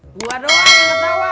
gua doang yang ketawa